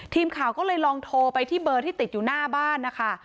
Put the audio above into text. ทีมข่าวก็เลยลองโทรไปที่เบอร์ที่ติดอยู่หน้าบ้านนะคะ